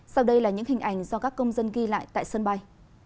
sau đây là những hình ảnh do các công dân ghi lại tại sân bay